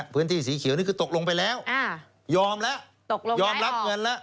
พื้นที่สีเขียวนี่คือตกลงไปแล้วยอมแล้วตกลงยอมรับเงินแล้ว